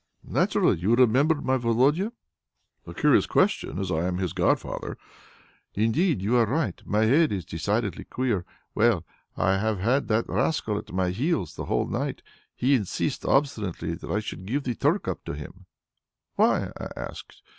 "Naturally. You remember my Volodia?" "A curious question, as I am his godfather." "Indeed you are right. My head is decidedly queer. Well, I have had that rascal at my heels the whole night. He insisted obstinately that I should give the Turk up to him. 'Why?' I asked.